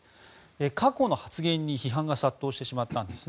過去の発言に批判が殺到してしまったんです。